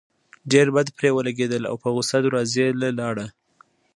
ډېر بد پرې ولګېدل او پۀ غصه دروازې له لاړه